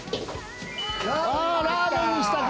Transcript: ラーメンにしたか！